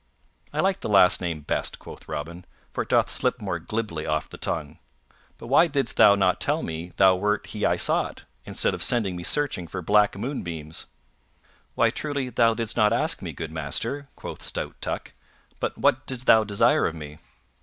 "I like the last name best," quoth Robin, "for it doth slip more glibly off the tongue. But why didst thou not tell me thou wert he I sought, instead of sending me searching for black moonbeams?" "Why, truly, thou didst not ask me, good master," quoth stout Tuck; "but what didst thou desire of me?"